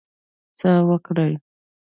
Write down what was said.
څه وکړی.